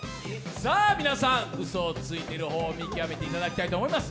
皆さん、うそをついている方を見極めていただきたいと思います。